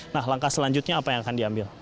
nah langkah selanjutnya apa yang akan diambil